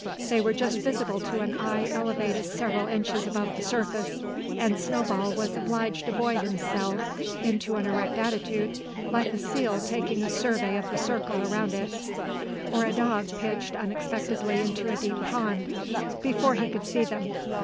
They were just visible to an eye elevated several inches above the surface; and Snowball was obliged to buoy himself into an erect attitude, like a seal taking a survey of the circle around it, or a dog pitched unexpectedly into a deep pond, before he could see them.